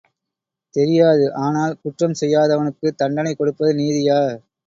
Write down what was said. தெரியாது, ஆனால் குற்றம் செய்யாதவனுக்குத் தண்டனை கொடுப்பது நீதியா?